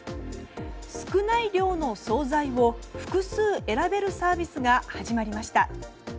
少ない量の総菜を複数選べるサービスが始まりました。